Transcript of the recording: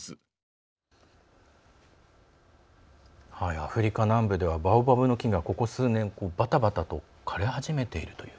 アフリカ南部ではバオバブの木がここ数年ばたばたと枯れ始めているという。